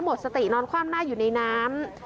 หมดสตินอนคว่ำหน้าอยู่ในน้ำ